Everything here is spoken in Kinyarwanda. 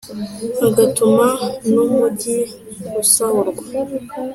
agatuma n’umugi usahurwa.